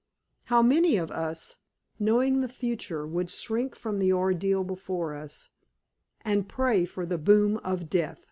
How many of us, knowing the future, would shrink from the ordeal before us, and pray for the boon of death!